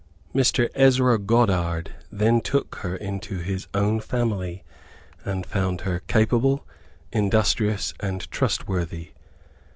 Mr. Ezra Goddard then took her into his own family, and found her capable, industrious, and trustworthy.